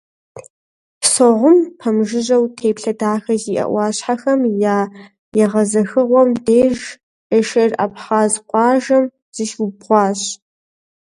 Согъум пэмыжыжьэу, теплъэ дахэ зиӀэ Ӏуащхьэхэм я егъэзыхыгъуэм деж, Эшер абхъаз къуажэм зыщиубгъуащ.